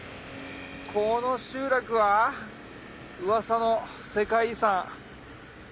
この集落はうわさの世界遺産。